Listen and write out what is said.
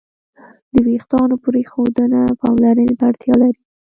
د وېښتیانو پرېښودنه پاملرنې ته اړتیا لري.